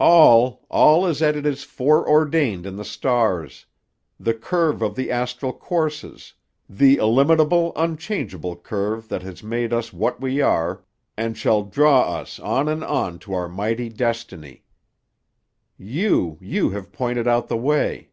"'All, all is as it is foreordained in the stars; the curve of the astral courses, the illimitable, unchangeable curve that has made us what we are, and shall draw us on and on to our mighty destiny. You, you have pointed out the way.